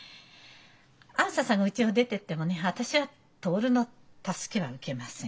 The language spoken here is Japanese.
あづささんがうちを出てってもね私は徹の助けは受けません。